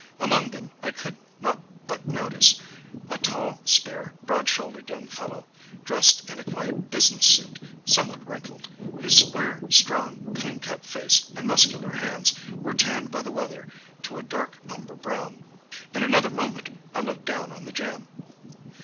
Among them I could not but notice a tall, spare, broad shouldered young fellow dressed in a quiet business suit, somewhat wrinkled, whose square, strong, clean cut face and muscular hands were tanned by the weather to a dark umber brown. In another moment I looked down on the jam.